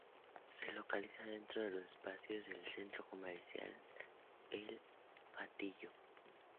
Se localiza dentro de los espacios del Centro Comercial El Hatillo.